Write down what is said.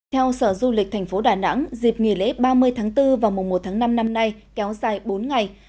theo sở du lịch tp đà nẵng dịp nghỉ lễ ba mươi tháng bốn vào mùa một tháng năm năm nay kéo dài bốn ngày